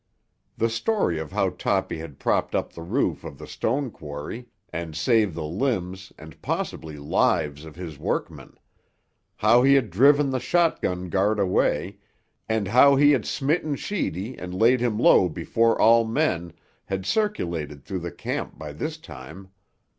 The story of how Toppy had propped up the roof of the stone quarry, and saved the limbs and possibly lives of his workmen; how he had driven the shotgun guard away, and how he had smitten Sheedy and laid him low before all men, had circulated through the camp by this time.